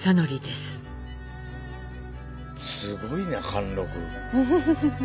すごいね貫禄。